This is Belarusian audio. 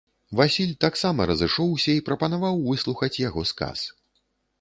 Васіль таксама разышоўся і прапанаваў выслухаць яго сказ.